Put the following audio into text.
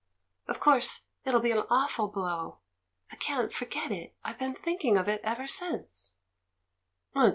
Of course, it'll be an awful blow. I can't forget it — I've been thinking of it ever since."